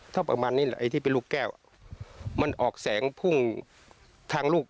ถ้าประมาณนี้แหละไอ้ที่เป็นลูกแก้วมันออกแสงพุ่งทางลูก